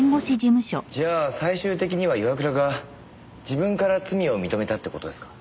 じゃあ最終的には岩倉が自分から罪を認めたって事ですか？